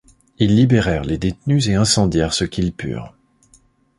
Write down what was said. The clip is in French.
Ils libérèrent les détenus et incendièrent ce qu'ils purent.